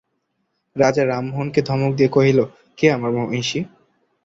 রাজা রামমোহনকে ধমক দিয়া কহিলেন, কে আমার মহিষী?